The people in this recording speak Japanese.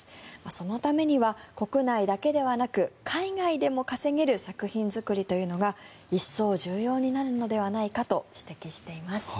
そのためには国内だけではなく海外でも稼げる作品作りというのが一層重要になるのではないかと指摘しています。